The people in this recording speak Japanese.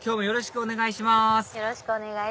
よろしくお願いします。